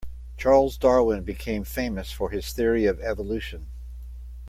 Charles Darwin became famous for his theory of evolution.